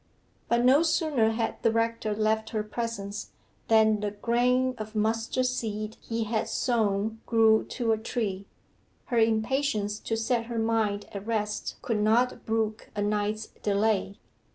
But no sooner had the rector left her presence, than the grain of mustard seed he had sown grew to a tree. Her impatience to set her mind at rest could not brook a night's delay.